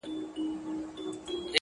خپل ذهن له مثبت فکرونو ډک کړئ!